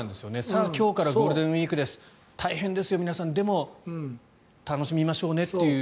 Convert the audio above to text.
さあ、今日からゴールデンウィークです大変ですよ、皆さんでも、楽しみましょうねという。